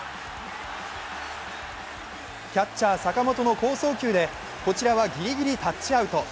キャッチャー・坂本の好送球でこちらはぎりぎりタッチアウト。